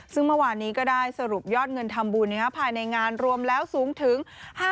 ซึ่งเมื่อวานนี้ก็ได้สรุปยอดเงินทำบุญภายในงานรวมแล้วสูงถึง